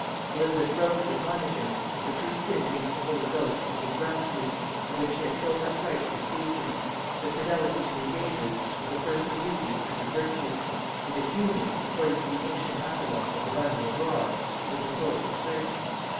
Elizabeth wrote to admonish him that the true sin against the Holy Ghost was ingratitude, of which she had so much right to accuse him; that fidelity to engagements was the first of duties and of virtues; and that union, according to the ancient apologue of the bundle of rods, was the source of strength.